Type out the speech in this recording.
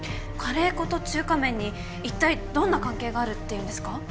カレー粉と中華麺にいったいどんな関係があるっていうんですか？